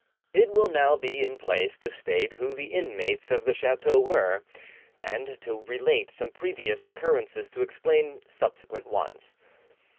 It will now be in place to state who the inmates of the chateau were, and to relate some previous occurrences to explain subsequent ones.